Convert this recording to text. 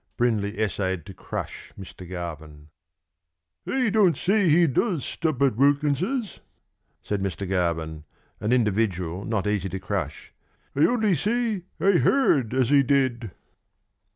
Brindley essayed to crush Mr. Garvin. "I don't say he does stop at Wilkins's," said Mr. Garvin, an individual not easy to crush, "I only say I heard as he did."